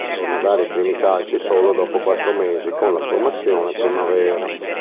Torna a dare i primi calci solo dopo quattro mesi con la formazione Primavera.